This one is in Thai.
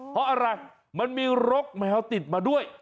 เพราะอะไรมันมีรกแมวติดมาด้วย